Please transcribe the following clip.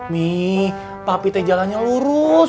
mi papi teh jalannya lurus